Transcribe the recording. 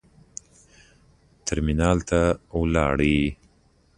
ترمینال ته ولاړو.